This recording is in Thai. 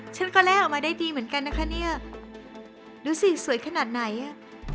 ฉันก็แลกออกมาได้ดีเหมือนกันนะคะเนี่ยดูสิสวยขนาดไหนอ่ะ